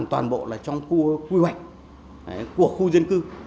toàn bộ trong khu quy hoạch của khu dân cư